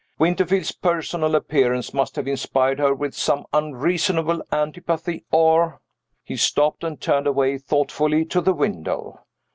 Winterfield's personal appearance must have inspired her with some unreasonable antipathy, or " He stopped, and turned away thoughtfully to the window.